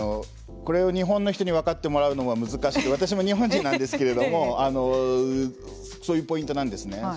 これ日本の人に分かってもらうのは難しくて私も日本人なんですけれどもそういうポイントなんですね。